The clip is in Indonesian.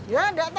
ya nggak tahu